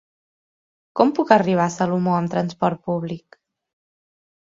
Com puc arribar a Salomó amb trasport públic?